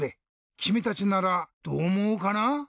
きみたちならどうおもうかな？